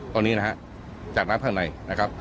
ตรงนี้นะฮะจากน้ำข้างในนะครับ